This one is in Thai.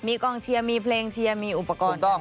มีกองเชียร์มีเพลงเชียร์มีอุปกรณ์